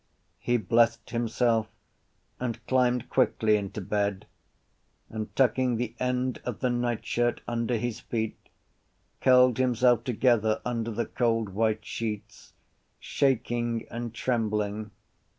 He blessed himself and climbed quickly into bed and, tucking the end of the nightshirt under his feet, curled himself together under the cold white sheets, shaking and trembling.